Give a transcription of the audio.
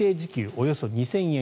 およそ２０００円